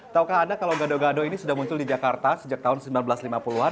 taukah anda kalau gado gado ini sudah muncul di jakarta sejak tahun seribu sembilan ratus lima puluh an